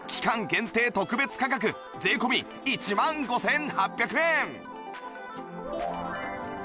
限定特別価格税込１万５８００円